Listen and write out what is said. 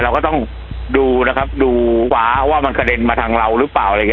เราก็ต้องดูนะครับดูฟ้าว่ามันคาเด็นมาทางเราหรือเปล่าเลย